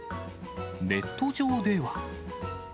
ネット上では。